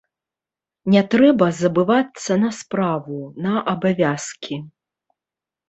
Не трэба забывацца на справу, на абавязкі.